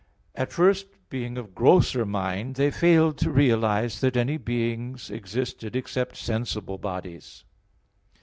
At first being of grosser mind, they failed to realize that any beings existed except sensible bodies.